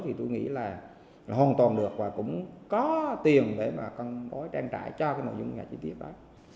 thì tôi nghĩ là hoàn toàn được và cũng có tiền để mà con gói trang trại cho cái nội dung nhà chi tiết đó